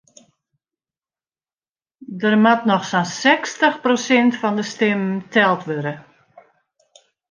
Der moat noch sa'n sechstich prosint fan de stimmen teld wurde.